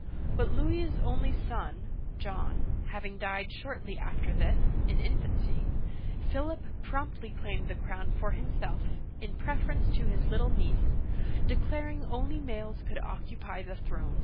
But Louis's only son (John L) having died shortly after this, in infancy, Philip promptly claimed the crown for himself, in preference to his little niece, declaring only males could occupy the throne.